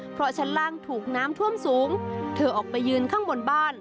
เพราะชั้นล่างถูกน้ำท่วมสูงเธอออกไปยืนข้างบนบ้าน